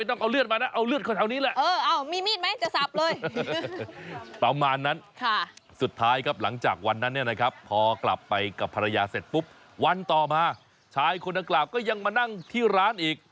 ต่อมานั้นสุดท้ายครับหลังจากวันนั้นนะครับพอกลับไปกับภรรยาเสร็จปุ๊บวันต่อมาชายคนกราบก็ยังมานั่งที่ร้านอีก